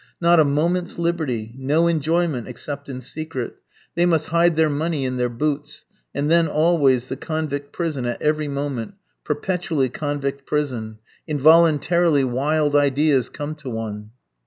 Not a moment's liberty, no enjoyment except in secret; they must hide their money in their boots; and then always the convict prison at every moment perpetually convict prison! Involuntarily wild ideas come to one."